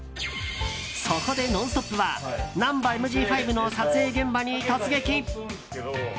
そこで「ノンストップ！」は「ナンバＭＧ５」の撮影現場に突撃。